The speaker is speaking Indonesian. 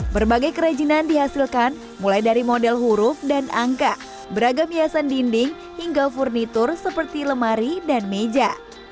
berbagai kerajinan dihasilkan mulai dari model huruf dan angka beragam hiasan dinding hingga furnitur seperti lemari dan meja